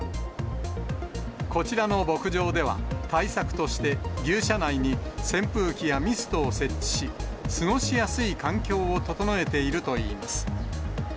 こちらの牧場では、対策として、牛舎内に扇風機やミストを設置し、過ごしやすい環境を整えているといいます。